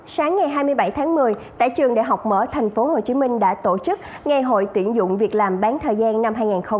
sáng ngày hai mươi bảy tháng một mươi tại trường đại học mở tp hcm đã tổ chức ngày hội tuyển dụng việc làm bán thời gian năm hai nghìn hai mươi